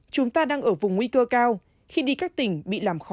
chúng ta đang ở vùng nguy cơ cao khi đi các tỉnh bị làm khó